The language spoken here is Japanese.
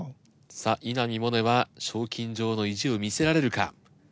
さあ稲見萌寧は賞金女王の意地を見せられるか？